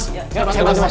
saya bantu mas